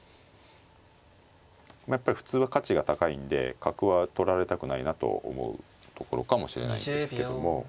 まあやっぱり普通は価値が高いんで角は取られたくないなと思うところかもしれないんですけども。